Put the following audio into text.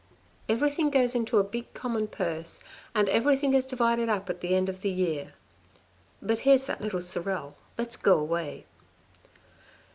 Everything goes into a big common purse, and everything is divided up at the end of the year. But here's that little Sorel, let's go away."